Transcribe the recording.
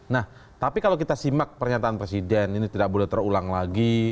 nah tapi kalau kita simak pernyataan presiden ini tidak boleh terulang lagi